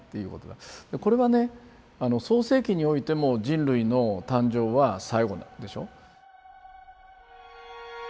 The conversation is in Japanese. これはね「創世記」においても人類の誕生は最後だったでしょ。